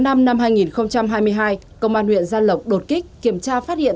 ngày hai mươi năm tháng năm năm hai nghìn hai mươi hai công an huyện gia lộc đột kích kiểm tra phát hiện